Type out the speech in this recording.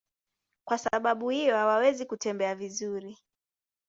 Kwa sababu hiyo hawawezi kutembea vizuri.